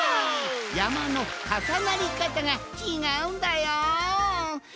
やまのかさなりかたがちがうんだよん。